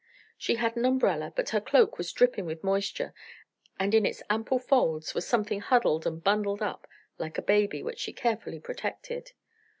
She had an umbrella, but her cloak was dripping with moisture and in its ample folds was something huddled and bundled up like a baby, which she carefully protected.